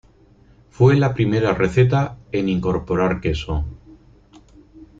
Fue la primera receta en incorporar queso.